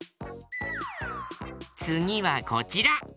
つぎはこちら。